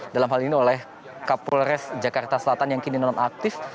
dalam hal ini oleh kapolres jakarta selatan yang kini non aktif